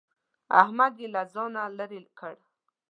احمد يې له ځانه لرې کړ.